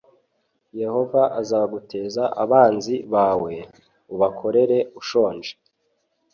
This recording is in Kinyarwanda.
yehova azaguteza abanzi bawe+ ubakorere ushonje